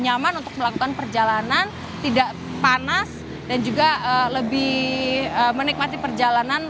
nyaman untuk melakukan perjalanan tidak panas dan juga lebih menikmati perjalanan